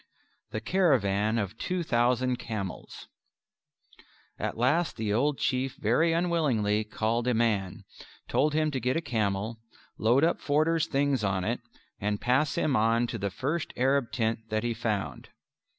The Caravan of Two Thousand Camels At last the old Chief very unwillingly called a man, told him to get a camel, load up Forder's things on it, and pass him on to the first Arab tent that he found.